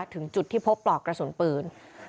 ถึงจุดที่พบปลอกกระสุนปืน